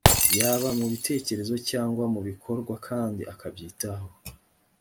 yaba mu bitekerezo cyangwa mu bikorwa kandi akabyitaho